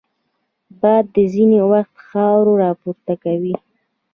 باد ځینې وخت خاوره راپورته کوي